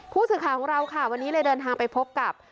ผู้สื่อข่าวของเราค่ะวันนี้เลยเดินทางไปพบกับ